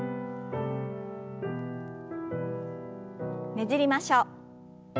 ねじりましょう。